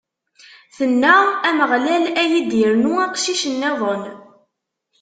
Tenna: Ameɣlal ad yi-d-irnu aqcic-nniḍen!